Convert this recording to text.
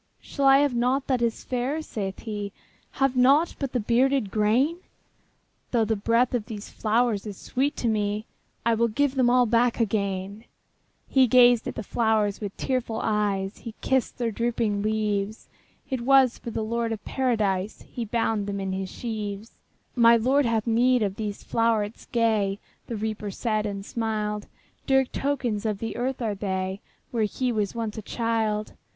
``Shall I have nought that is fair?'' saith he; ``Have nought but the bearded grain? Though the breath of these flowers is sweet to me, I will give them all back again.'' He gazed at the flowers with tearful eyes, He kissed their drooping leaves; It was for the Lord of Paradise He bound them in his sheaves. ``My Lord has need of these flowerets gay,'' The Reaper said, and smiled; ``Dear tokens of the earth are they, Where he was once a child.